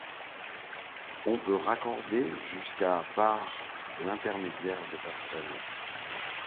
On peut raccorder jusqu'à par l'intermédiaire de passerelles.